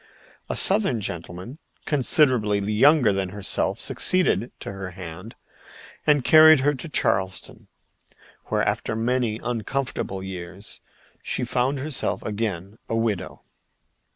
A Southern gentleman considerably younger than herself succeeded to her hand and carried her to Charleston, where after many uncomfortable years she found herself again a widow.